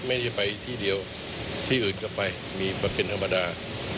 ไม่ได้ไปที่เดียวที่อื่นก็ไปมีมาเป็นธรรมดา